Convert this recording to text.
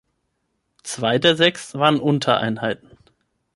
Zwei der sechs waren Untereinheiten.